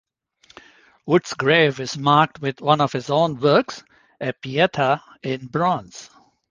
Wood's grave is marked with one of his own works, a pieta in bronze.